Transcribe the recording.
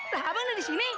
lah abang udah disini